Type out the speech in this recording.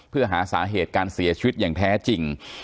เพื่อหาสาเหตุการเสียชีวิตอย่างแท้จริง